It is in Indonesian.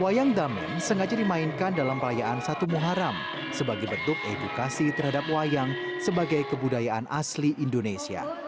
wayang damen sengaja dimainkan dalam perayaan satu muharam sebagai bentuk edukasi terhadap wayang sebagai kebudayaan asli indonesia